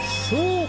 そう！